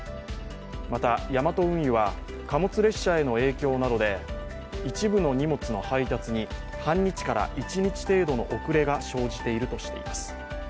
また、ヤマト運輸は貨物列車への影響などで一部の荷物の配達に半日から一日程度の遅れが生じているとしています。